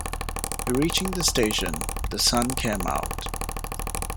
Reaching the station, the sun came out.